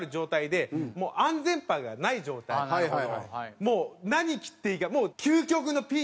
もう何切っていいか。